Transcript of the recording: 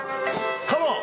カモン！